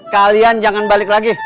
kalian jangan balik lagi